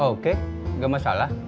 oke gak masalah